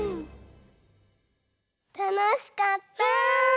たのしかった。